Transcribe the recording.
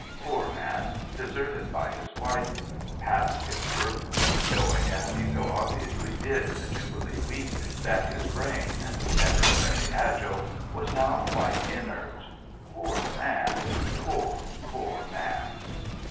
Poor man, deserted by his wife, past his work, showing as he so obviously did in the Jubilee week that his brain (never very agile) was now quite inert, poor man, poor, poor man!